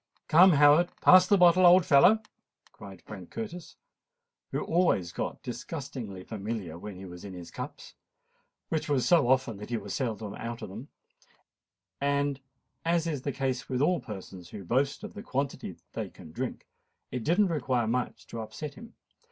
"Come, Howard, pass the bottle, old fellow," cried Frank Curtis, who always got disgustingly familiar when he was in his cups—which was so often that he was seldom out of them: and, as is the case with all persons who boast of the quantity they can drink, it did not require much to upset him.